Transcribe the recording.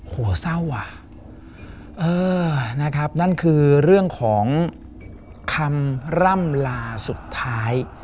โห้เศร้าว่ะนั่นคือเรื่องของคำร่ำลาสุดท้าย